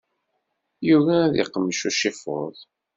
Yugi ad iqmec ucifuḍ.